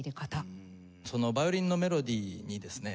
ヴァイオリンのメロディーにですね